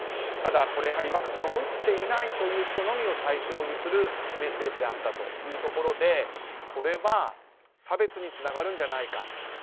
ただ、ワクチンを打っていないという人のみを対象にするメッセージであったというところで差別につながるんじゃないか。